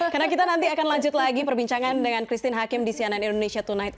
karena kita nanti akan lanjut lagi perbincangan dengan christine hakim di cnn indonesia tonight